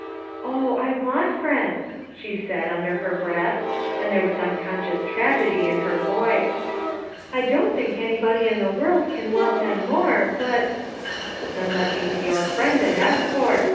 "Oh, I want friends 1" she said under her breath, and there was unconscious tragedy in 176 FOUR MOTHERS AT CHAUTAUQUA her voice. "I don't think anybody in the world can want them more; but—" "Then let me be your friend, and escort.